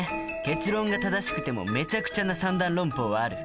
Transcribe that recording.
結論が正しくてもめちゃくちゃな三段論法はある。